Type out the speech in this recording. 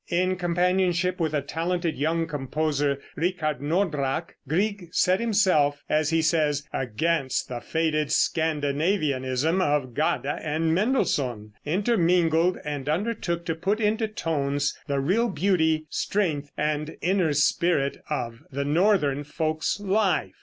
In companionship with a talented young composer, Ricard Nordraak, Grieg set himself, as he says, "against the faded Scandinavianism of Gade and Mendelssohn intermingled, and undertook to put into tones the real beauty, strength and inner spirit of the northern folks life."